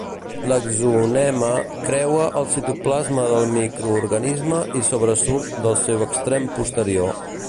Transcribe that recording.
L'axonema creua el citoplasma del microorganisme i sobresurt del seu extrem posterior.